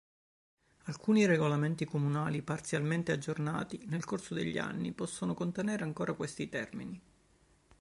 Alcuni regolamenti comunali, parzialmente aggiornati nel corso degli anni, possono contenere ancora questi termini.